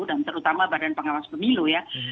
dan terutama badan pengawas pemilu ya